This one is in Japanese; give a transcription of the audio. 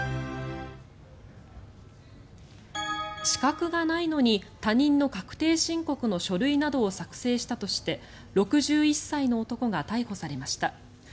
資格がないのに他人の確定申告の書類などを作成したとして６１歳の男が逮捕されました。